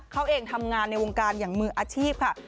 เขาเองทำงานในวงการอย่างมืออาชีพค่ะ